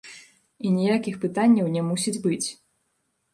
І ніякіх пытанняў не мусіць быць.